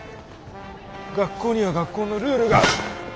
学校には学校のルールがある。